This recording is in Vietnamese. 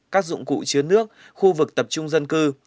các dụng cụ chứa nước khu vực tập trung dân cư